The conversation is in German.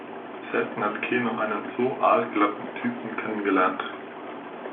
Selten hat Keno einen so aalglatten Typen kennengelernt.